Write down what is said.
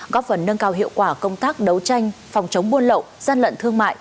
góp phần nâng cao hiệu quả công tác đấu tranh phòng chống buôn lậu gian lận thương mại